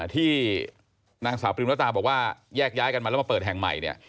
ที่นางสาวปริมรตาบอกว่าแยกย้ายกันมาแล้วมาเปิดแห่งใหม่เนี่ย